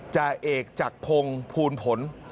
พันธาเอกจักรพงศ์พูลผล